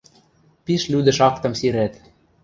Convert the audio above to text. Пиш лӱдӹш актым сирӓт.